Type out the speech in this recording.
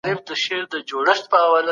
د هېواد روښانه راتلونکی په تعلیم کې دی.